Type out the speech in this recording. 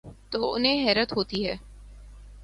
تو انہیں حیرت ہو تی ہے۔